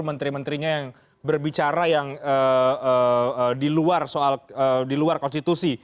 menteri menterinya yang berbicara yang di luar konstitusi